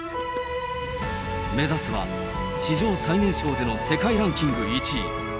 目指すは、史上最年少での世界ランキング１位。